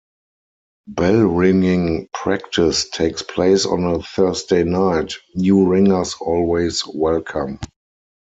Bell ringing practise takes place on a Thursday night - new ringers always welcome.